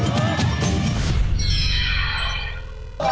สุ่ม